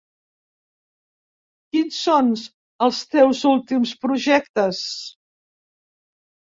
Quins són els teus últims projectes?